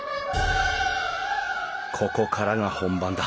ここからが本番だ